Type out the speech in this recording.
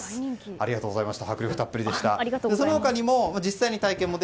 ありがとうございます。